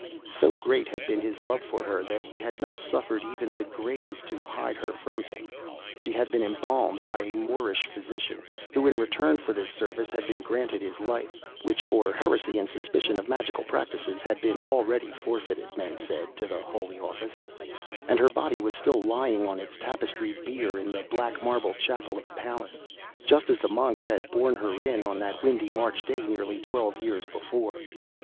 So great had been his love for her that he had not suffered even the grave to hide her from him. She had been embalmed by a Moorish physician, who in return for this service had been granted his life, which for heresy and suspicion of magical practices had been already forfeited, men said, to the Holy Office, and her body was still lying on its tapestried bier in the black marble chapel of the Palace, just as the monks had borne her in on that windy March day nearly twelve years before.